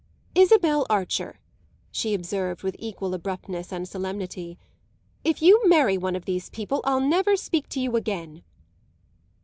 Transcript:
"Isabel Archer," she observed with equal abruptness and solemnity, "if you marry one of these people I'll never speak to you again!"